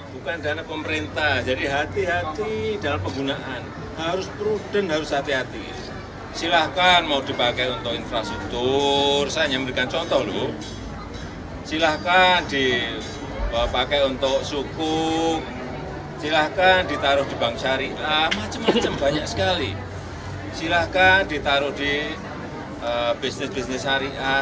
banyak sekali silakan ditaruh di bisnis bisnis syariat